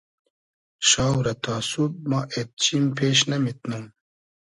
شاو رہ تا سوب ما اېد چیم پېش نئمیتنوم